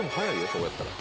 そこやったら。